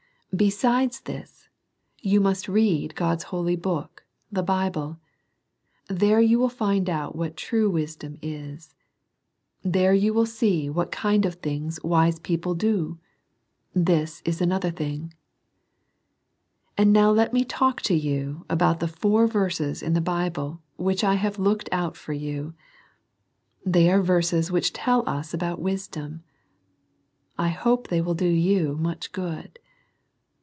Besides this, you must read God's holy book, the Bible. There you will find out what true wisdom is. There you will see what kind of things wise people do. . This is another thing. And now let me talk to you about the four verses in the Bible which I have looked out for you. They are verses which tell us about wis dom. I hope they will do you much good.